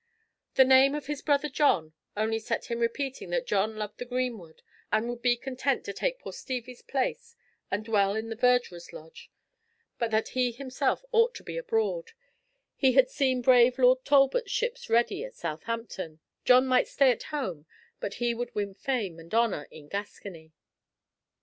The name of his brother John only set him repeating that John loved the greenwood, and would be content to take poor Stevie's place and dwell in the verdurer's lodge; but that he himself ought to be abroad, he had seen brave Lord Talbot's ships ready at Southampton, John might stay at home, but he would win fame and honour in Gascony.